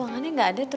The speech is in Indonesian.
mas ferti kuterti